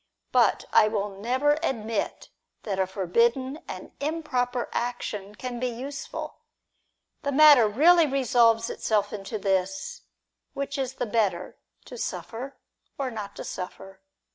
But I will never admit that a forbidden and improper action can be use ful. The matter really resolves itself into this : which is the better, to suffer, or not to suffer